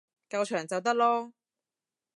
夠長就得囉